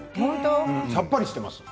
さっぱりしてますよ。